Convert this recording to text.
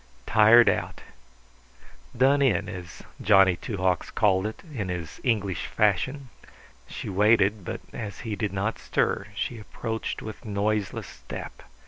Tired out done in, as Johnny Two Hawks called it in his English fashion. She waited; but as he did not stir she approached with noiseless step.